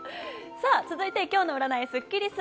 続いて今日の占いスッキりす。